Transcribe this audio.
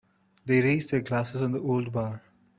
They raised their glasses in the old bar.